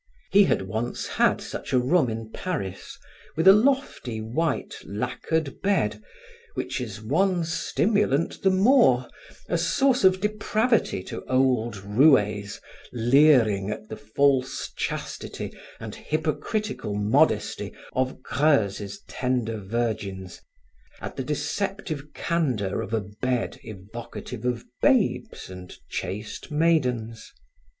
He had once had such a room in Paris, with a lofty, white, lacquered bed which is one stimulant the more, a source of depravity to old roues, leering at the false chastity and hypocritical modesty of Greuze's tender virgins, at the deceptive candor of a bed evocative of babes and chaste maidens.